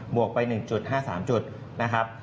วกไป๑๕๓จุดนะครับ